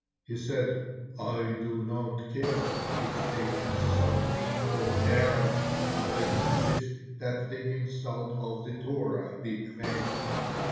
He said: "I do not care if they insult me or Aaron, but I insist that the insult of the Torah be avenged.